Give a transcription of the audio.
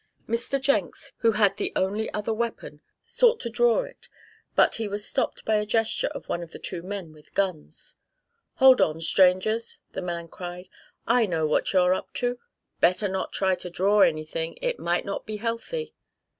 Mr. Jenks, who had the only other weapon, sought to draw it, but he was stopped by a gesture of one of the two men with guns. "Hold on, strangers!" the man cried. "I know what you're up to! Better not try to draw anything it might not be healthy.